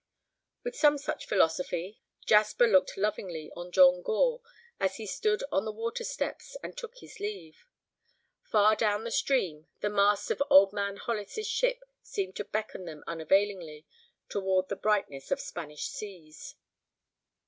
With some such philosophy Jasper looked lovingly on John Gore as he stood on the water steps and took his leave. Far down the stream the masts of Old Man Hollis's ship seemed to beckon them unavailingly toward the brightness of Spanish seas.